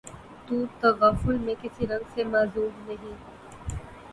تو تغافل میں کسی رنگ سے معذور نہیں